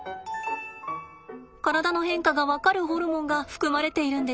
体の変化が分かるホルモンが含まれているんです。